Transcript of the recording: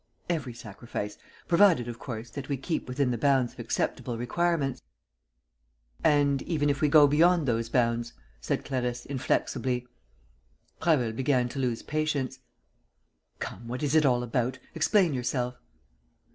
"Every sacrifice, provided, of course, that we keep within the bounds of acceptable requirements." "And even if we go beyond those bounds," said Clarisse, inflexibly. Prasville began to lose patience: "Come, what is it all about? Explain yourself."